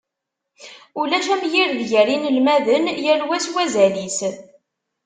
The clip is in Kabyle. Ulac amgired gar yinelmaden, yal wa s wazal-is.